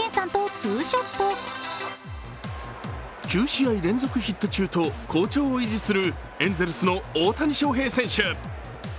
９試合連続ヒット中と好調を維持するエンゼルスの大谷翔平選手。